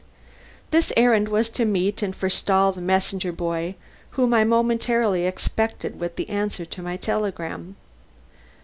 This errand was to meet and forestall the messenger boy whom I momently expected with the answer to my telegram.